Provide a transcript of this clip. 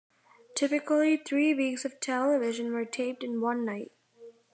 Typically, three weeks of television were taped in one night.